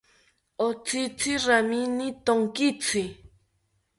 Otzitzi ramini tonkitzi